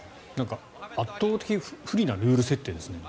圧倒的不利なルール設定ですね。